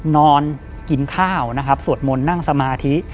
นอนกินข้าวนะครับสวดมนต์นั่งสมาธิ